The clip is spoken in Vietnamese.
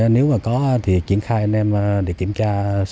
nếu mà có thì triển khai anh em để kiểm tra